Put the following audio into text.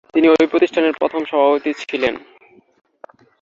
তিনি ঐ প্রতিষ্ঠানের প্রথম সভাপতি ছিলেন।